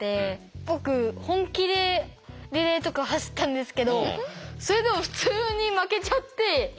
僕本気でリレーとか走ったんですけどそれでも普通に負けちゃって。